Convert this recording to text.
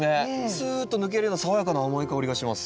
スーッと抜けるような爽やかな甘い香りがします。